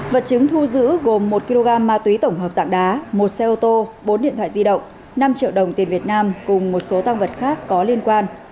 vật chứng thu giữ gồm một kg ma túy tổng hợp dạng đá một xe ô tô bốn điện thoại di động năm triệu đồng tiền việt nam cùng một số tăng vật khác có liên quan